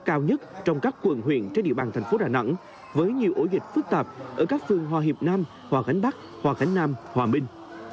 cao nhất trong các quận huyện trên địa bàn thành phố đà nẵng với nhiều ổ dịch phức tạp ở các phương hòa hiệp nam hòa khánh bắc hòa khánh nam hòa bình